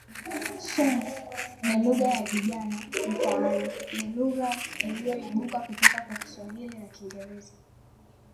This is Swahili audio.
Sheng' ni lugha ya vijana mitaani nchini ni lugha iliyoibuka kutoka kwa Kiswahili na Kiingereza.